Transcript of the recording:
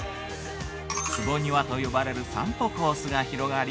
坪庭と呼ばれる散歩コースが広がり。